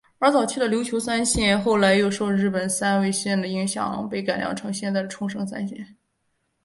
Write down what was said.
而早期的琉球三线后来又受日本三味线的影响被改良成现在的冲绳三线。